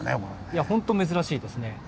いやほんと珍しいですね。